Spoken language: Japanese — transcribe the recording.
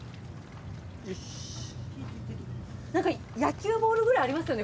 なんか野球ボールくらいありますよね